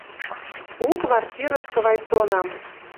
У квартирышкы Вайсонам